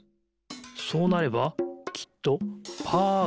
そうなればきっとパーがでる。